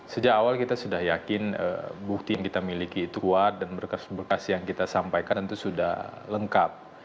sejak awal kita sudah yakin bukti yang kita miliki itu kuat dan berkas berkas yang kita sampaikan tentu sudah lengkap